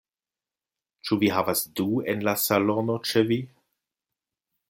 Ĉu vi havas du en la salono ĉe vi?